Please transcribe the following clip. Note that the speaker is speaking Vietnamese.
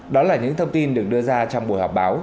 đó là những thông tin được đưa ra trong buổi họp báo